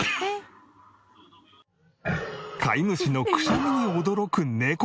飼い主のくしゃみに驚く猫ちゃん。